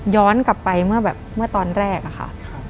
ย้อนกลับไปเมื่อตอนแรกอ่ะค่ะ